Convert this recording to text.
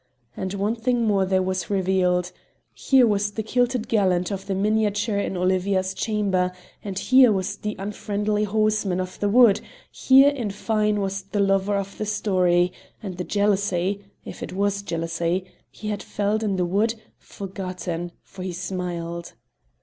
And one thing more there was revealed here was the kilted gallant of the miniature in Olivia's chamber, and here was the unfriendly horseman of the wood, here in fine was the lover of the story, and the jealousy (if it was a jealousy) he had felt in the wood, forgotten, for he smiled.